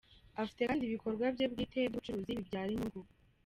Afite kandi ibikorwa bye bwite by’ubucuruzi bibyara inyungu.